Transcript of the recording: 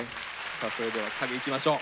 さあそれではかげいきましょう。